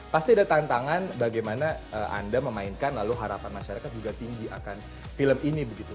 pasti ada tantangan bagaimana anda memainkan lalu harapan masyarakat juga tinggi akan film ini begitu